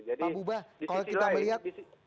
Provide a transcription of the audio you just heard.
pak buba kalau kita melihat